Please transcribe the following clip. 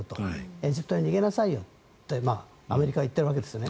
エジプトへ逃げなさいよってアメリカは言っているわけですね。